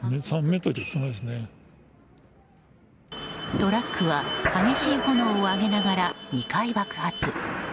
トラックは激しい炎を上げながら２回爆発。